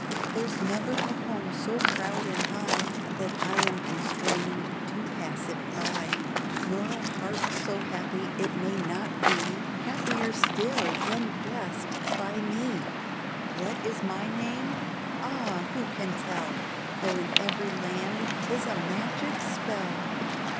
There's never a home so proud and high That I am constrained to pass it by, Nor a heart so happy it may not be Happier still when blessed by me !^' What is my name ? Ah, who can tell. Though in every land 'tis a magic spell